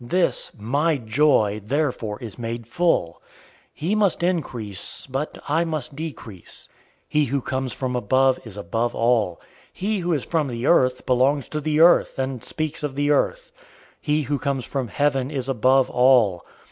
This, my joy, therefore is made full. 003:030 He must increase, but I must decrease. 003:031 He who comes from above is above all. He who is from the Earth belongs to the Earth, and speaks of the Earth. He who comes from heaven is above all.